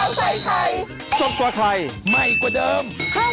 ใส่ไทยสดกว่าไทยใหม่กว่าเดิม